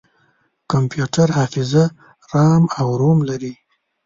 کمپیوټر حافظه رام او روم لري.